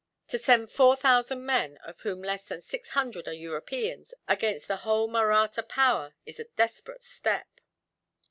To send four thousand men, of whom less than six hundred are Europeans, against the whole Mahratta power is a desperate step.